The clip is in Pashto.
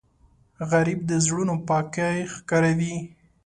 غریب د زړونو پاکی ښکاروي